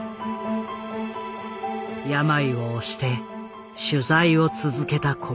病を押して取材を続けた小松。